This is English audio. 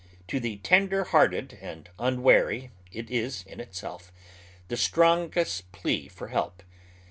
To the tender hearted and unwary it is, in itself, the strongest plea for help.